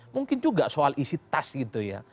mungkin juga soal isi tas gitu ya